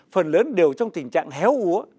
phần lớn đều trong tình trạng héo úa